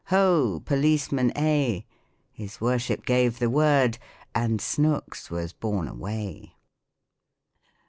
' Ho ! Policeman A !' His worship gave the word, and Snooks was borne away."